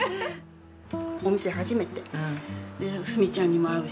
お店始めてすみちゃんにも会うし。